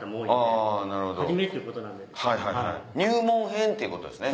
入門編ってことですね。